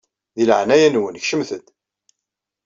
Di leɛnaya-nwen kecmem-d.